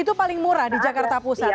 itu paling murah di jakarta pusat